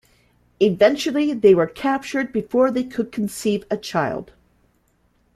Eventually they were captured before they could conceive a child.